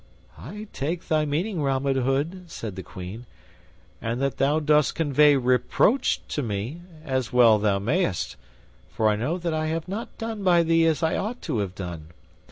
"I take thy meaning, Robin Hood," said the Queen, "and that thou dost convey reproach to me, as well thou mayst, for I know that I have not done by thee as I ought to have done.